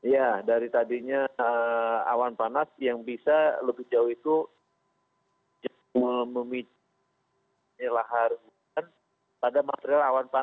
ya dari tadinya awan panas yang bisa lebih jauh itu